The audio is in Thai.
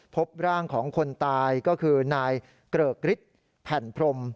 พบร่างของคนตายก็คือนายเกริกฤทธิ์แผ่นพรม